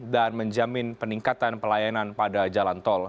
dan menjamin peningkatan pelayanan pada jalan tol